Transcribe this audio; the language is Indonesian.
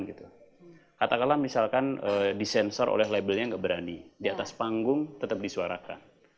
katakanlah misalkan disensor oleh labelnya nggak berani di atas panggung tetap disuarakan